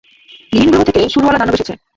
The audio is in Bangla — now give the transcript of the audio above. ভিনগ্রহ থেকে শুঁড়ওয়ালা দানব এসেছে!